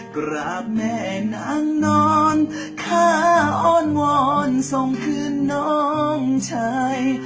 กราบแม่นางนอนค่าอ้อนวอนส่งคืนน้องชาย